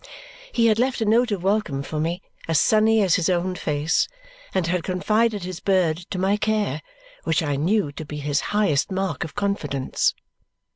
He had left a note of welcome for me, as sunny as his own face, and had confided his bird to my care, which I knew to be his highest mark of confidence.